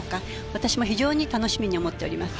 私も非常に楽しみに思っております。